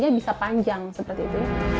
kami itu adalah sulit